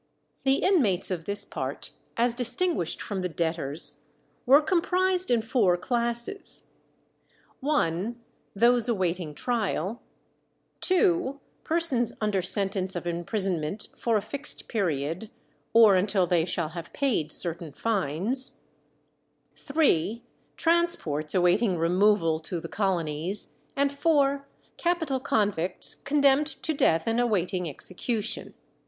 The inmates of this part, as distinguished from the debtors, were comprised in four classes: (1) those awaiting trial; (2) persons under sentence of imprisonment for a fixed period, or until they shall have paid certain fines; (3) transports awaiting removal to the colonies, and (4) capital convicts, condemned to death and awaiting execution.